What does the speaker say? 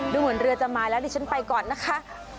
ดูเหมือนเรือจะมาแล้วดิฉันไปก่อนนะคะ